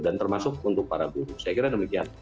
dan termasuk untuk para buruh saya kira demikian